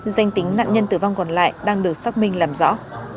danh tính nạn nhân tử vong còn lại đang được xác minh làm rõ